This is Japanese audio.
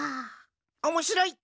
おもしろい！